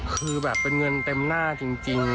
คือเงินเต็มหน้าจริง